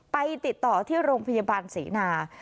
ไปติดต่อที่โรงพยาบาลเสนา